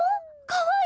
かわいい！